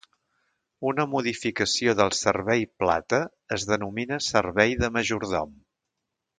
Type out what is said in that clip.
Una modificació del servei plata es denomina servei de majordom.